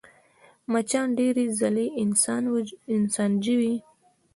مچان ډېرې ځلې انسان ژوي